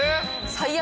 最悪。